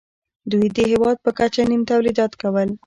دوی د هېواد په کچه نیم تولیدات کول